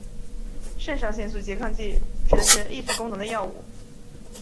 肾上腺素拮抗剂指的是抑制功能的药物。